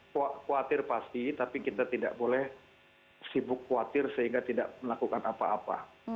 khawatir pasti tapi kita tidak boleh sibuk khawatir sehingga tidak melakukan apa apa